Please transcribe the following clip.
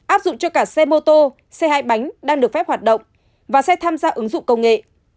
áp dụng cho cả xe mô tô xe hai bánh đang được phép hoạt động và xe tham gia ứng dụng công nghệ